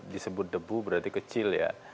disebut debu berarti kecil ya